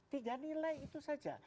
tiga nilai itu saja